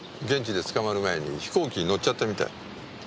現地で捕まる前に飛行機に乗っちゃったみたい。